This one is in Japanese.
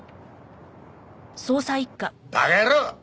馬鹿野郎！